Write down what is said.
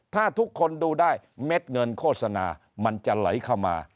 ถ้าทุกคนดูได้เม็ดเงินโฆษณามันจะไหลเข้ามา